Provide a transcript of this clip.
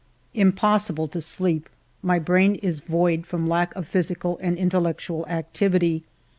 Impossible to sleep. My brain is void from lack of physical and intellectual activity.